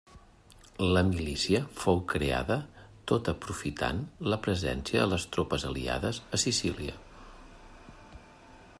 La milícia fou creada tot aprofitant la presència de les tropes aliades a Sicília.